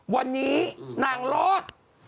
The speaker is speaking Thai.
วันนี้หนังโลด